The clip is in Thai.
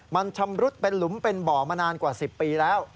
มันชำรุดเป็นหลุมเป็นบ่อมานานกว่า๑๐ปีแล้ว